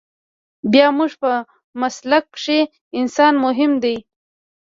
بيا زموږ په مسلک کښې انسان مهم ديه.